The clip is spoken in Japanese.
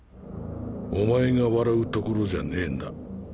お前が笑うところじゃねえんだ。